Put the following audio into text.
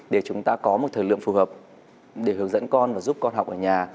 để chúng ta có một thời lượng phù hợp để hướng dẫn con và giúp con học ở nhà